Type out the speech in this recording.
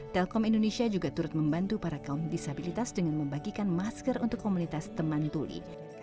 telkom indonesia juga turut membantu para kaum disabilitas dengan membagikan masker untuk komunitas teman tuli